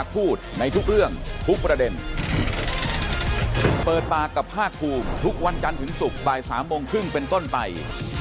โปรดติดตามตอนต่อไป